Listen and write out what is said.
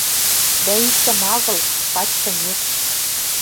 Дӓ иктӹм агыл, пачкынек...»